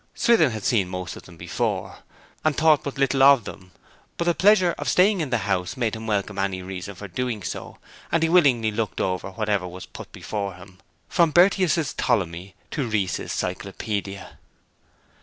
Swithin had seen most of them before, and thought but little of them; but the pleasure of staying in the house made him welcome any reason for doing so, and he willingly looked at whatever was put before him, from Bertius's Ptolemy to Rees's Cyclopædia.